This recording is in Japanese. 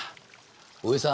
おじさん